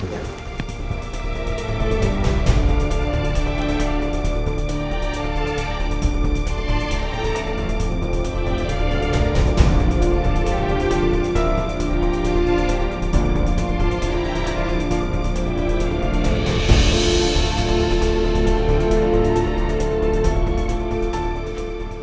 terima kasih banyak